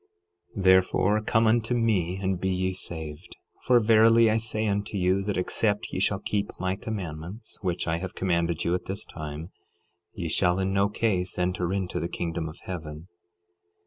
12:20 Therefore come unto me and be ye saved; for verily I say unto you, that except ye shall keep my commandments, which I have commanded you at this time, ye shall in no case enter into the kingdom of heaven.